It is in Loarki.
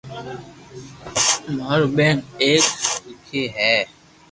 ماري ٻآن ني ھيک ديديو ھتي